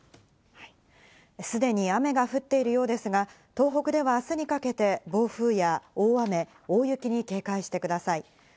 すでに雨が降っているようですが、東北では明日にかけて暴風や大雨、大雪に警戒してください。